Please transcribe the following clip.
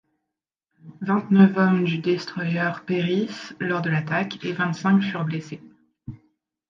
Vingt neuf hommes du destroyer périssent lors de l'attaque et vingt cinq furent blessés.